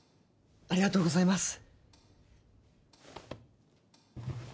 ありがとうございます。